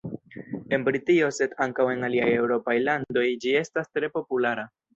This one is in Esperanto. En Britio sed ankaŭ en aliaj eŭropaj landoj ĝi estas tre populara.